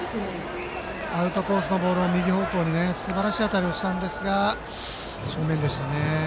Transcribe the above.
アウトコースのボールを右方向にすばらしい当たりをしたんですが正面でしたね。